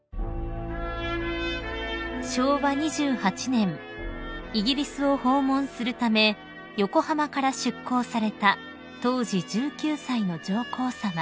［昭和２８年イギリスを訪問するため横浜から出港された当時１９歳の上皇さま］